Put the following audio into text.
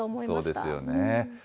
そうですよね。